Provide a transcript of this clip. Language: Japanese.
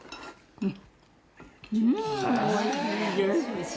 うん！